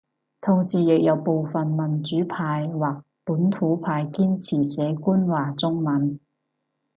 同時亦有部份民主派或本土派堅持寫官話中文